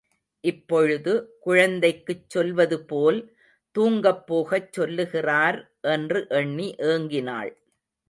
இப்பொழுது, குழந்தைக்குச் சொல்வது போல் தூங்கப் போகச் சொல்லுகிறார் என்று எண்ணி ஏங்கினாள்.